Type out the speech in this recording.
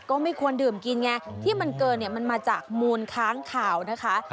ก็ไม่ควรดื่มกินไงที่มันเกินเนี่ยมันมาจากมูลค้างข่าวนะคะ